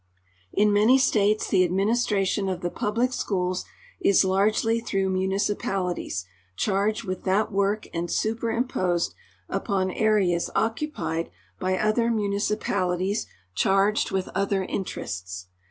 In many states the administration of the public schools is largely through municipalities charged with that work and super imposed upon areas occupied by other municipalities charged with other interests.